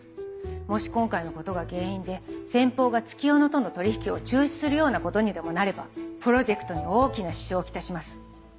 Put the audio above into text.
もし今回のことが原因で先方が月夜野との取引を中止するようなことにでもなればプロジェクトに大きな支障を来します。